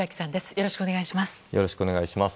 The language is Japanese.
よろしくお願いします。